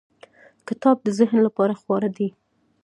• کتاب د ذهن لپاره خواړه دی.